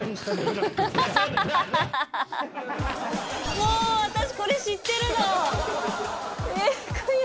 もう、私、これ知ってるのー。